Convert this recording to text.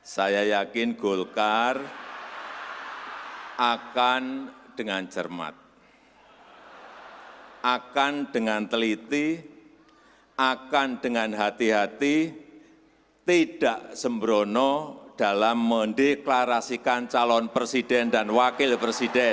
saya yakin golkar akan dengan cermat akan dengan teliti akan dengan hati hati tidak sembrono dalam mendeklarasikan calon presiden dan wakil presiden